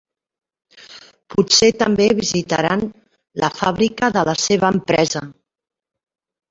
Potser també visitaran la fàbrica de la seva empresa.